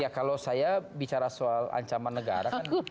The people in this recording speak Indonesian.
ya kalau saya bicara soal ancaman negara kan